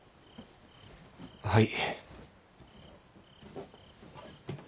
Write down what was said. はい。